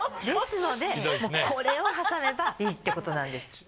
ですのでこれを挟めばいいってことなんです。